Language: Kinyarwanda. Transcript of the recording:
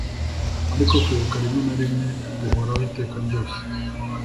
ariko kwibuka rimwe na rimwe guhoraho iteka ryose